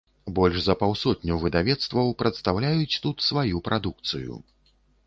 Больш за паўсотню выдавецтваў прадстаўляюць тут сваю прадукцыю.